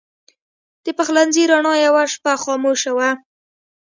د پخلنځي رڼا یوه شپه خاموشه وه.